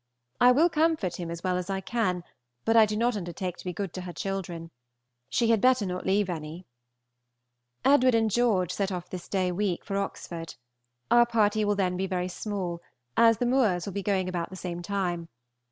I will comfort him as well as I can, but I do not undertake to be good to her children. She had better not leave any. Edw. and Geo. set off this day week for Oxford. Our party will then be very small, as the Moores will be going about the same time.